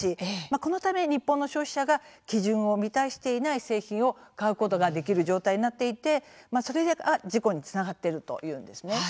このため日本の消費者が基準を満たしていない製品を買うことができる状態になっていてそれが事故につながっているというんですね。